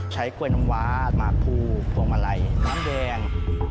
กล้วยน้ำว้าหมากภูพวงมาลัยน้ำแดง